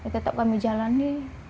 tetap kami jalani